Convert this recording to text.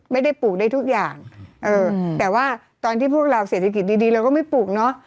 ปลูกได้ทุกอย่างเออแต่ว่าตอนที่พวกเราเศรษฐกิจดีเราก็ไม่ปลูกเนอะ